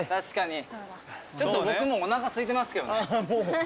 ちょっと僕もうおなかすいてますけどね。